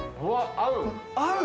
合う！